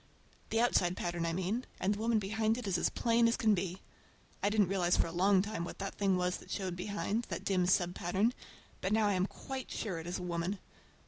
The outside pattern I mean, and the woman behind it is as plain as can be. I didn't realize for a long time what the thing was that showed behind,—that dim sub pattern,—but now I am quite sure it is a woman.